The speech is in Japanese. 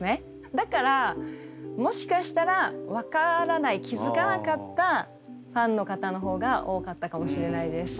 だからもしかしたら分からない気付かなかったファンの方のほうが多かったかもしれないです。